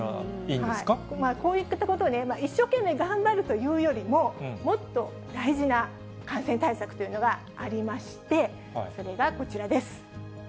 こういったことをね、一生懸命頑張るというよりも、もっと大事な感染対策というのがありまして、それがこちらです。